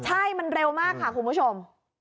ใช่มันเร็วมากค่ะคุณผู้ชม